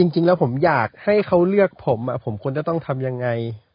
จริงแล้วผมอยากให้เขาเลือกผมผมควรจะต้องทำยังไง